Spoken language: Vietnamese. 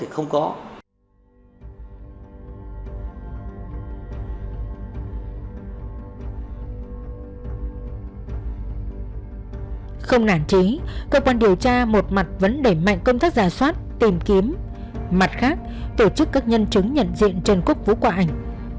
không nản trí cơ quan điều tra một mặt vẫn đẩy mạnh công tác giả soát tìm kiếm mặt khác tổ chức các nhân chứng nhận diện trần quốc vũ qua ảnh